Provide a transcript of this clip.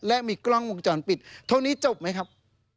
และมีกล้องวงจรปิดเท่านี้จบไหมครับ